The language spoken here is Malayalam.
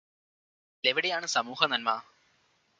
അതിലെവിടെയാണ് സാമൂഹ്യനന്മ